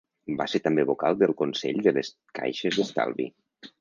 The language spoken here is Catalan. Va ser també vocal del Consell de les Caixes d'Estalvi.